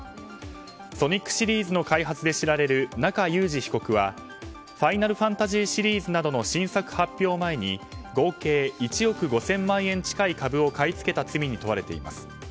「ソニック」シリーズの開発で知られる中裕司被告は「ファイナルファンタジー」シリーズなどの新作発表前に合計１億５０００万円近い株を買い付けた罪に問われています。